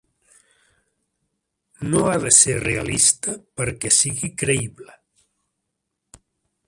No ha de ser realista perquè sigui creïble.